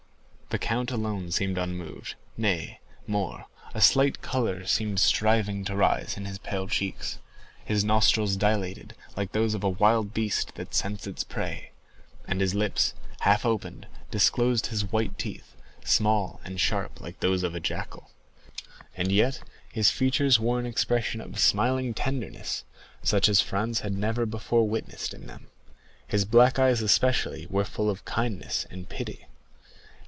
The count alone seemed unmoved—nay, more, a slight color seemed striving to rise in his pale cheeks. His nostrils dilated like those of a wild beast that scents its prey, and his lips, half opened, disclosed his white teeth, small and sharp like those of a jackal. And yet his features wore an expression of smiling tenderness, such as Franz had never before witnessed in them; his black eyes especially were full of kindness and pity.